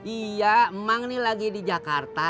iya emang ini lagi di jakarta